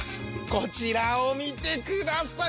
こちらを見てください。